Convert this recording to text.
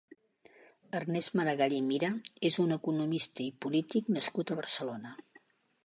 Ernest Maragall i Mira és un economista i polític nascut a Barcelona.